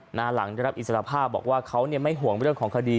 หลังได้รับอิสรภาพบอกว่าเขาไม่ห่วงเรื่องของคดี